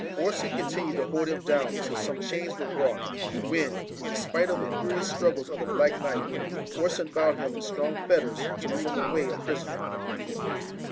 Orson continued to hold him down till some chains were brought, when, in despite of the furious struggles of the black knight, Orson bound him in strong fetters, to lead him away a prisoner.